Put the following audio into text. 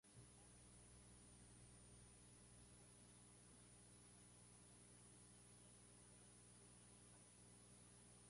Verdon fue una ex-directora en el Distrito Escolar Independiente de Grapevine-Colleyville.